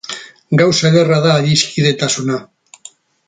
Gauza ederra da adiskidetasuna.